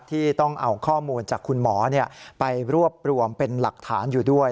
ที่ต้องเอาข้อมูลจากคุณหมอไปรวบรวมเป็นหลักฐานอยู่ด้วย